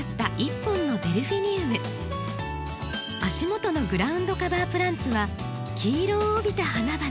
足元のグラウンドカバープランツは黄色を帯びた花々。